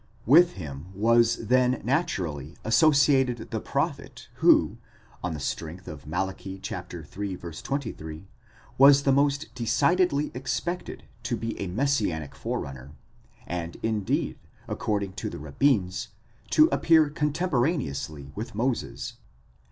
With him was then naturally associated the prophet, who, on the strength of Mal. ili. 23, was the most decidedly expected to be a messianic forerunner, and, indeed, according to the rabbins, to appear contemporaneously with Moses.